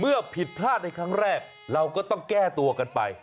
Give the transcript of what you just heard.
ผิดพลาดในครั้งแรกเราก็ต้องแก้ตัวกันไป